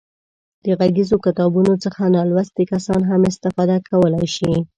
د غږیزو کتابونو څخه نالوستي کسان هم استفاده کولای شي.